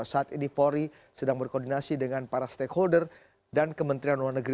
saat ini polri sedang berkoordinasi dengan para stakeholder dan kementerian luar negeri